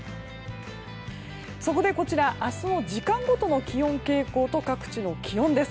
そこでこちら明日の時間ごとの気温傾向と各地の気温です。